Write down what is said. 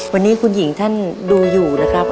วันนี้คุณหญิงท่านดูอยู่นะครับ